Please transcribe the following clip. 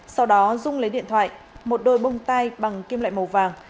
sau đó dung lấy điện thoại một đôi bông tai bằng kim loại màu vàng